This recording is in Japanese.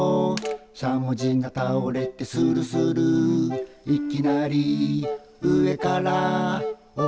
「しゃもじがたおれてするする」「いきなり上からおりてきた」